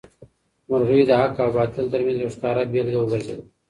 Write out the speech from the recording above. مرغۍ د حق او باطل تر منځ یو ښکاره بېلګه وګرځېده.